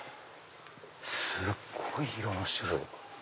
すっごい色の種類。